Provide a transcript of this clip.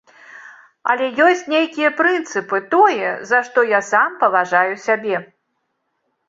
Але ёсць нейкія прынцыпы, тое, за што я сам паважаю сябе.